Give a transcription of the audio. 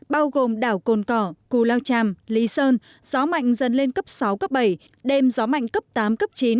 bao gồm đảo cồn cỏ cù lao tràm lý sơn gió mạnh dần lên cấp sáu cấp bảy đêm gió mạnh cấp tám cấp chín